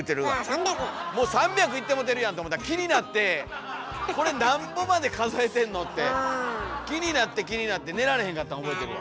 もう３００いってもうてるやんとか思たら気になってこれなんぼまで数えてんの？って気になって気になって寝られへんかったん覚えてるわ。